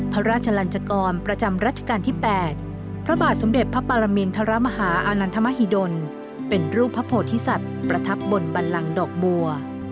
พระราชลันจกรประจำรัชกาลที่๘พระบาทสมเด็จพระปรมินทรมาฮาอานันทมหิดลเป็นรูปพระโพธิสัตว์ประทับบนบันลังดอกบัว